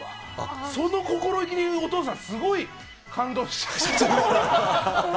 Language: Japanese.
その心意気にお父さん、すごい感動しちゃって。